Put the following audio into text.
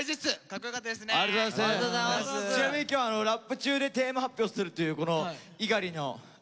ちなみに今日ラップ中でテーマ発表するというこの猪狩の新たな試み。